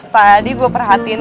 tadi gue perhatiin